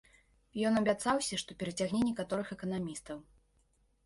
Ён абяцаўся, што перацягне некаторых эканамістаў.